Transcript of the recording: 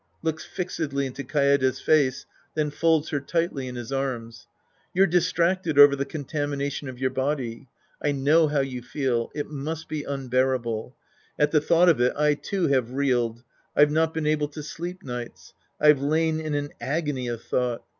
{Looks fixedly into Kaede' s face, then folds lier tightly in his arms.) You're distracted over the contamination of your body. I know how you feel. It must be unbearable. At the thought of it, I, too, have reeled. I've not been able to sleep nights. I've lain in an agony of thought.